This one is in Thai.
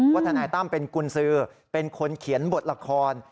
ทนายตั้มเป็นกุญสือเป็นคนเขียนบทละคร